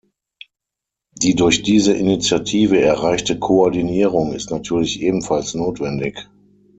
Die durch diese Initiative erreichte Koordinierung ist natürlich ebenfalls notwendig.